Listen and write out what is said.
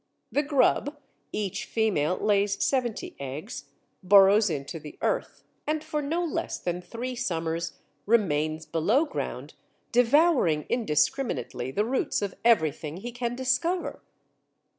The grub (each female lays seventy eggs) burrows into the earth, and for no less than three summers remains below ground devouring indiscriminately the roots of everything he can discover.